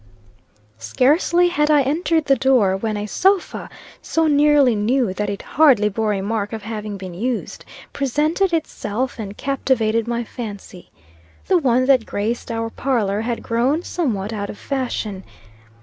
Scarcely had I entered the door, when a sofa, so nearly new that it hardly bore a mark of having been used, presented itself, and captivated my fancy. The one that graced our parlor had grown somewhat out of fashion.